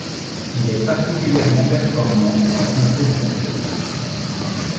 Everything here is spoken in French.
Il est particulièrement performant en concours complet.